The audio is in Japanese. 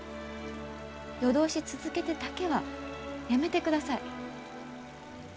夜通し続けてだけはやめてください。